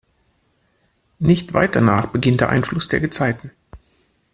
Nicht weit danach beginnt der Einfluss der Gezeiten.